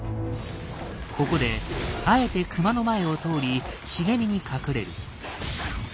ここであえてクマの前を通り茂みに隠れる。